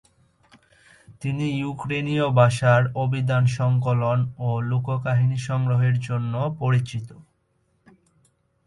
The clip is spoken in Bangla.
তিনি ইউক্রেনীয় ভাষার অভিধান সংকলন ও লোককাহিনী সংগ্রহের জন্য পরিচিত।